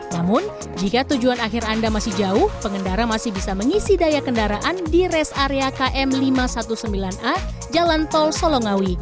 namun jika tujuan akhir anda masih jauh pengendara masih bisa mengisi daya kendaraan di res area km lima ratus sembilan belas a jalan tol solongawi